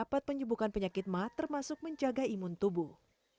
dapat penyembuhan penyakit ma termasuk menjaga imun tubuh